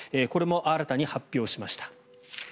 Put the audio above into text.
これも新たに発表しました。